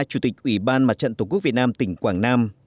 chủ tịch ủy ban mặt trận tổ quốc việt nam tỉnh quảng nam